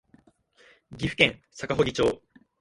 岐阜県坂祝町